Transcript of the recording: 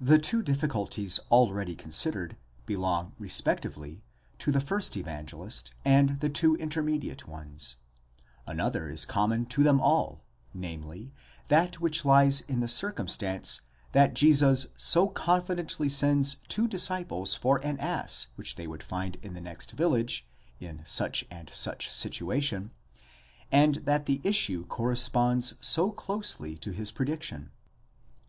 The two difficulties already considered belong respectively to the first Evangelist, and the two intermediate ones: another is common to them all, namely, that which lies in the circumstance that Jesus so confidently sends two disciples for an ass which they would find in the next village, in such and such a situation, and that the issue corresponds so closely to his prediction.